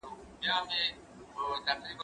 قلم وکاروه؟!